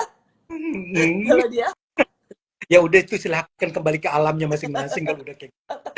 bingung ke simpson yang udah itu silahkan kembali ke alamnya masih mengekink flasher